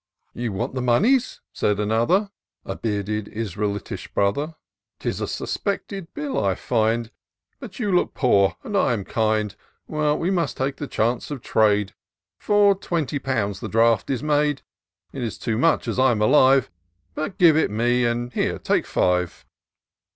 " You want the monies !" said another, A bearded, Israelitish brother. IN SEARCH OF THE PICTURESaUE. 221 " 'Tis a suspected bill, I find ; But you look poor, and I am kind. Well, we must take the chance of trade ; For twenty pounds the draft is made ; It is too much, as I'm alive, But give it me — and, here, take five."